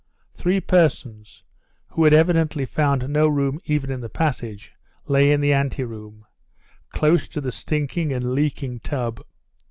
Three persons, who had evidently found no room even in the passage, lay in the anteroom, close to the stinking and leaking tub.